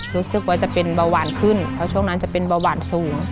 รู้สึกว่าจะเป็นเบาหวานขึ้นเพราะช่วงนั้นจะเป็นเบาหวานสูง